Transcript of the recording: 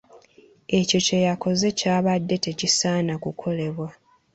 Ekyo kye yakoze kyabadde tekisaana kukolebwa.